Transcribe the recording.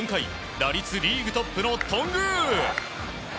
打率リーグトップの頓宮。